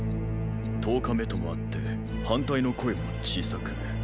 十日目ともあって反対の声も小さく